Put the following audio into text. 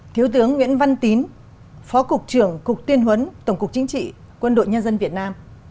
thiếu tướng nguyễn văn tín phó cục trưởng cục tuyên huấn tổng cục chính trị quân đội nhân dân việt nam